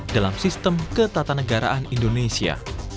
dalam sistem ketatanegaraan indonesia